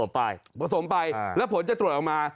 ไปผสมไปแล้วผลจะตรวจออกมา